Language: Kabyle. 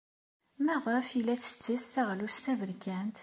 Maɣef ay la tettess taɣlust taberkant?